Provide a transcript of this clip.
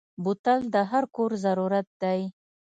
بوتل د هر کور ضرورت دی.